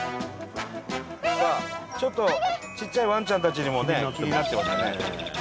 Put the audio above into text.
さあちょっとちっちゃいワンちゃんたちにも気になってますね。